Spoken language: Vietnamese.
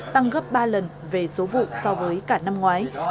tăng gấp ba lần về số vụ so với cả năm ngoái